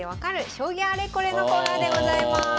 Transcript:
将棋あれこれ」のコーナーでございます。